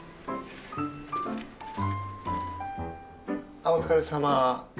あっお疲れさま。